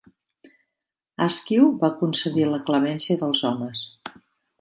Askew va concedir la clemència dels homes.